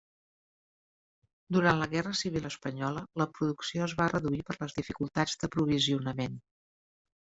Durant la guerra civil espanyola, la producció es va reduir per les dificultats d'aprovisionament.